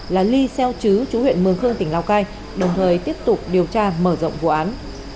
là ly xeo chứ chú huyện mường khương tỉnh lào cai đồng thời tiếp tục điều tra mở rộng vụ án